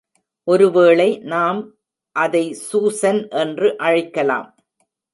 ஒருவேளை நாம் அதை சூசன் என்று அழைக்கலாம்.